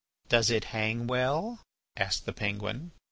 "Does it hang well?" asked the penguin.